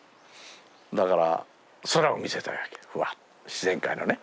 だから空を見せたいわけふわっと自然界のね。